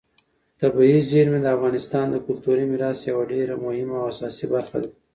طبیعي زیرمې د افغانستان د کلتوري میراث یوه ډېره مهمه او اساسي برخه ده.